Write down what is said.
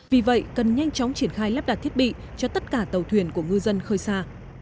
vì vậy cần nhanh chóng triển khai lắp đặt thiết bị cho tất cả tàu thuyền của ngư dân khơi xa